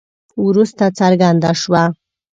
وروسته څرګنده شوه.